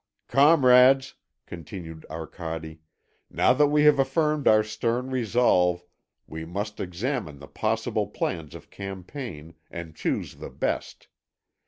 "Comrades," continued Arcade, "now that we have affirmed our stern resolve, we must examine the possible plans of campaign, and choose the best.